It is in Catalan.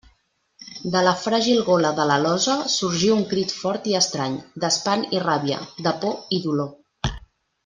De la fràgil gola de l'alosa sorgí un crit fort i estrany, d'espant i ràbia, de por i dolor.